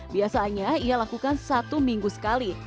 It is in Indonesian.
biasanya ia lakukan satu minggu sekali